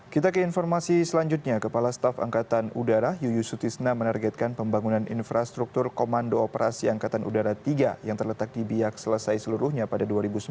kita ke informasi selanjutnya kepala staf angkatan udara yuyusutisna menargetkan pembangunan infrastruktur komando operasi angkatan udara tiga yang terletak di biak selesai seluruhnya pada dua ribu sembilan belas